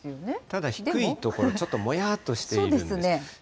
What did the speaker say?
ただ、低い所、ちょっともやっとしているんです。